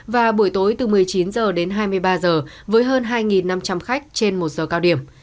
và buổi tối từ một mươi chín h đến hai mươi ba h với hơn hai năm trăm linh khách trên một giờ cao điểm